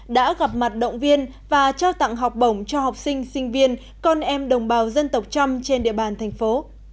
đã gặp mặt động viên và trao tặng học bổng cho học sinh sinh viên con em đồng bào dân tộc trăm trên địa bàn thành phố